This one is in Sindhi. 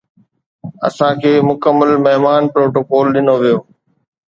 اسان کي مڪمل مهمان پروٽوڪول ڏنو ويو